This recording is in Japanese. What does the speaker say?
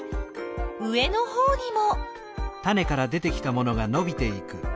上のほうにも。